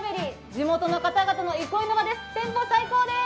地元の方々の憩いの場です。